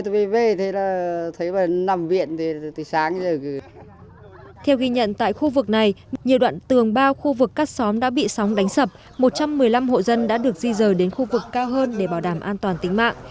theo ghi nhận tại khu vực này nhiều đoạn tường bao khu vực các xóm đã bị sóng đánh sập một trăm một mươi năm hộ dân đã được di rời đến khu vực cao hơn để bảo đảm an toàn tính mạng